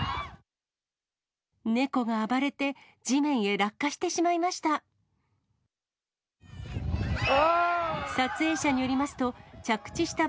猫が暴れて、地面へ落下してしまいました。